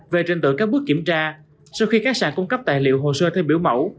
về trình tự các bước kiểm tra sau khi các sàn cung cấp tài liệu hồ sơ theo biểu mẫu